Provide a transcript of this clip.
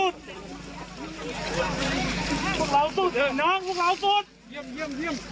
ด้านนู้น